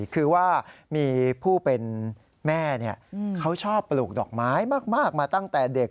คือว่ามีผู้เป็นแม่เขาชอบปลูกดอกไม้มากมาตั้งแต่เด็ก